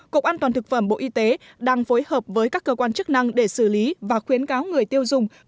cục an toàn thực phẩm bộ y tế đang phối hợp với các cơ quan chức năng để xử lý và khuyến cáo người tiêu dùng